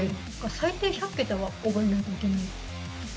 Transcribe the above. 最低１００桁は覚えないといけない。